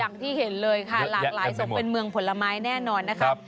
อย่างที่เห็นเลยค่ะหลากหลายศพเป็นเมืองผลไม้แน่นอนนะครับ